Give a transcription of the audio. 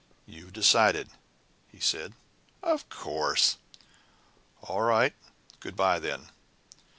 "You've decided?" he said. "Of course!" "All right! Good bye, then!